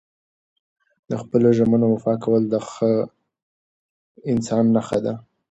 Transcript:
د خپلو ژمنو وفا کول د ښه انسان نښه ده.